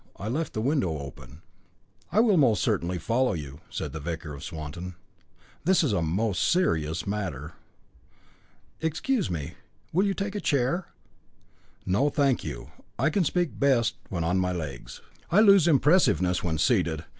I left the window open." "I will most certainly follow you," said the Vicar of Swanton. "This is a most serious matter." "Excuse me, will you take a chair?" "No, thank you; I can speak best when on my legs. I lose impressiveness when seated.